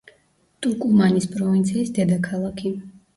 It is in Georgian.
ტუკუმანის პროვინციის დედაქალაქი.